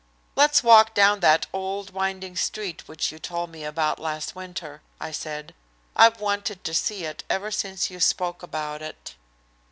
"Let's walk down that old winding street which you told me about last winter," I said. "I've wanted to see it ever since you spoke about it."